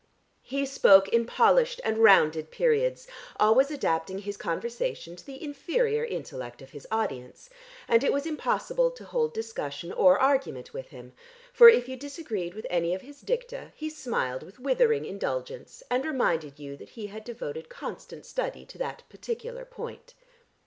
He spoke in polished and rounded periods, always adapting his conversation to the inferior intellect of his audience, and it was impossible to hold discussion or argument with him, for if you disagreed with any of his dicta, he smiled with withering indulgence, and reminded you that he had devoted constant study to that particular point.